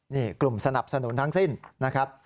นี่กลุ่มสนับสนุนทั้งสิ้นนะครับ